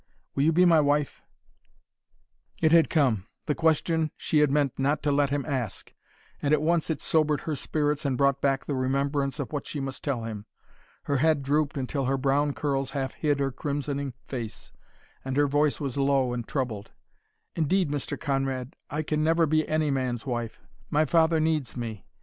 Will you be my wife?" It had come, the question she had meant not to let him ask, and at once it sobered her spirits and brought back the remembrance of what she must tell him. Her head drooped until her brown curls half hid her crimsoning face, and her voice was low and troubled. "Indeed, Mr. Conrad, I can never be any man's wife. My father needs me.